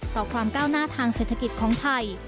ต่อความก้าวหน้าทางเศรษฐกิจของไทย